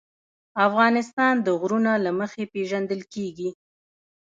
افغانستان د غرونه له مخې پېژندل کېږي.